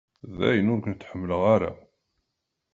Dayen ur kent-ḥemmleɣ ara.